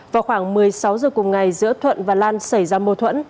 vào khoảng một mươi sáu h cùng ngày giữa thuận và lan xảy ra mâu thuẫn